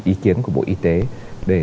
ý kiến của bộ y tế